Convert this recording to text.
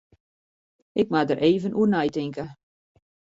Ik moat der even oer neitinke.